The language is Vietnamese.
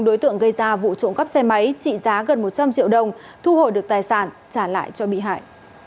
đối tượng gây ra vụ trộm cắp xe máy trị giá gần một trăm linh triệu đồng thu hồi được tài sản trả lại cho bị hại